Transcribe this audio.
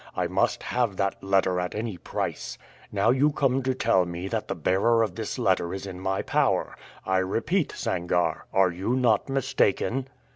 I must have that letter at any price. Now you come to tell me that the bearer of this letter is in my power. I repeat, Sangarre, are you not mistaken?"